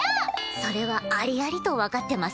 それはありありと分かってますわよ。